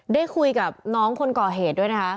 ได้คุยกับน้องคนก่อเหตุด้วยนะคะ